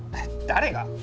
誰が？